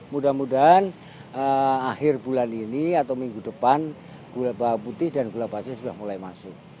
mudah mudahan akhir bulan ini atau minggu depan gula bawang putih dan gula pasir sudah mulai masuk